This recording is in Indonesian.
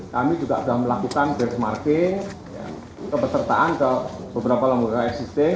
kami juga sudah melakukan benchmarking kepesertaan ke beberapa lembaga existing